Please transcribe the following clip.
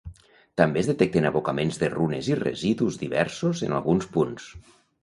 També es detecten abocaments de runes i residus diversos, en alguns punts.